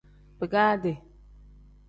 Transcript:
Bigaadi.